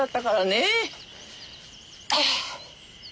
ああ！